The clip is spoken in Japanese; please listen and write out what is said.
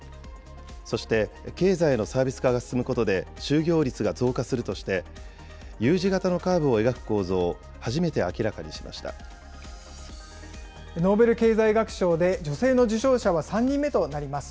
そして、経済のサービス化が進むことで、就業率が増加するとして、Ｕ字型のカーブを描く構造を初めノーベル経済学賞で、女性の受賞者は３人目となります。